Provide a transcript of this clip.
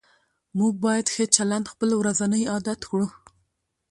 موږ باید ښه چلند خپل ورځنی عادت کړو